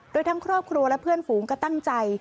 โดยทั้งครอบครัวและเพื่อนฝูงก็ตั้งใจ